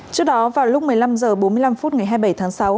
trước đó vào lúc một mươi năm h bốn mươi năm phút ngày hai mươi bảy tháng sáu